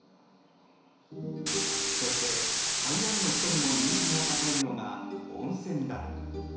そして、台湾の人にも人気が高いのが温泉だ。